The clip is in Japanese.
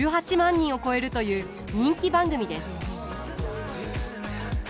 人を超えるという人気番組です。